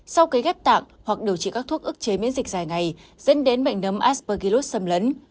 sau kế ghép tạng hoặc điều trị các thuốc ức chế miễn dịch dài ngày dẫn đến bệnh nấm aspergillus xâm lấn